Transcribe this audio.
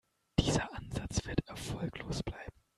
Dieser Ansatz wird erfolglos bleiben.